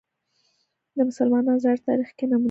د مسلمانانو زاړه تاریخ کې نمونه ده